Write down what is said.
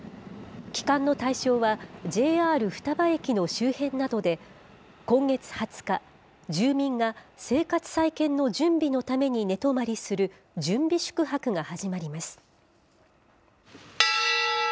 帰還の対象は、ＪＲ双葉駅の周辺などで、今月２０日、住民が生活再建の準備のために寝泊まりする準備宿泊が始まります。